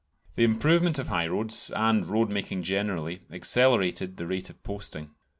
_] The improvement of highroads, and road making generally, accelerated the rate of posting.